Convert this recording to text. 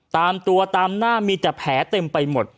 ตามตัวตามหน้ามีแต่แผลเต็มไปหมด